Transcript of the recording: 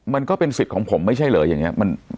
มันก็เป็นสิทธิ์ของผมไม่ใช่เหรออย่างนี้